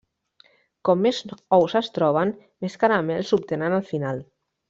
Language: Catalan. Com més ous es troben, més caramels s'obtenen al final.